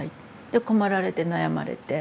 で困られて悩まれて。